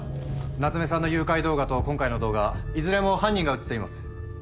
夏目さんの誘拐動画と今回の動画いずれも犯人が映っています。